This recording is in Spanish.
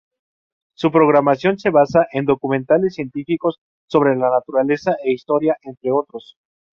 Su programación se basa en documentales científicos, sobre la naturaleza e historia, entre otros.